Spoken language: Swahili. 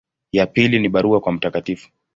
Ya pili ni barua kwa Mt.